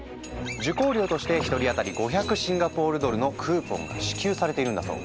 受講料としてひとりあたり５００シンガポールドルのクーポンが支給されているんだそう。